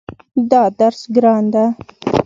دا درس ګران ده